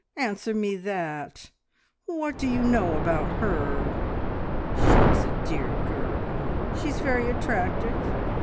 Answer me that! What do you know about her?" "She is a dear girl! She is very attractive!